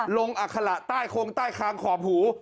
อัคละใต้โครงใต้คางขอบหู